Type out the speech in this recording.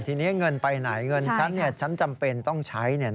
ทีนี้เงินไปไหนเงินฉันฉันจำเป็นต้องใช้